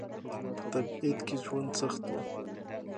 په تبعيد کې ژوند سخت و.